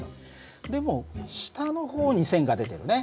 でも下の方に線が出てるね。